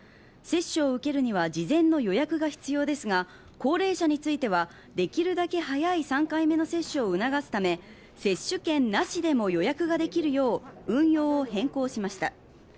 接種を受けるには事前の予約が必要ですが、高齢者についてはできるだけ早い３回目の接種を促すため、接種券なしでも予約ができるよう運用を変更しました。